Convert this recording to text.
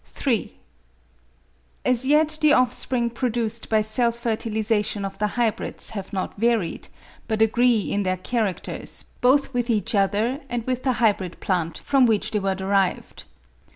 [3.] As yet the offspring produced by self fertilisation of the hybrids have not varied, but agree in their characters both with each other and with the hybrid plant from which they were derived.